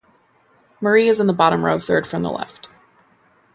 Marie is in the bottom row, third from the left